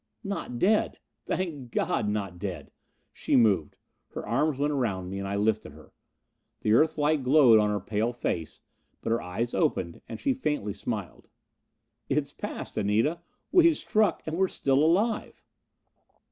Not dead! Thank God, not dead! She moved. Her arms went around me, and I lifted her. The Earth light glowed on her pale face; but her eyes opened and she faintly smiled. "It's past, Anita! We've struck, and we're still alive."